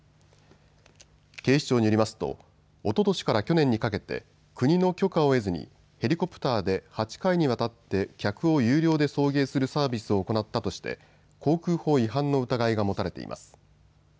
警視庁によりますとおととしから去年にかけて国の許可を得ずにヘリコプターで８回にわたって客を有料で送迎するサービスを行ったとして航空法違反の疑いが持たれています。